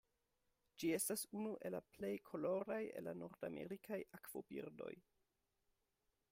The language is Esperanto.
Ĝi estas unu el la plej koloraj el la nordamerikaj akvobirdoj.